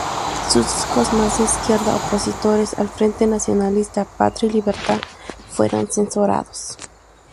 Sus discos más de izquierda, opositores al Frente Nacionalista Patria y Libertad, fueron censurados.